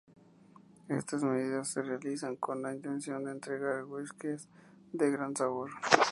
Estas medidas se realizan con la intención de entregar whiskies de gran sabor.